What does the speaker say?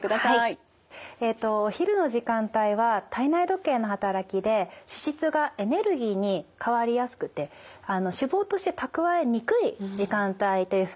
えとお昼の時間帯は体内時計の働きで脂質がエネルギーに変わりやすくて脂肪として蓄えにくい時間帯というふうにいわれているんですね。